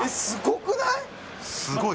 すごい